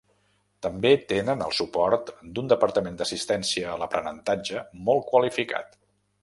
També tenen el suport d'un departament d'assistència a l'aprenentatge molt qualificat.